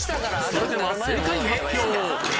それでは正解発表！